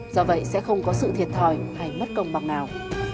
do vậy sẽ không có sự thiệt thòi hay mất công bằng nào